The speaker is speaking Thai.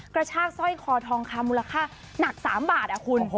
กระชากสร้อยคอทองคำมูลค่าหนัก๓บาทคุณ